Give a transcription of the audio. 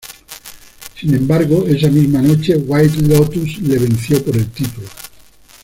Sin embargo, esa misma noche, White Lotus le venció por el título.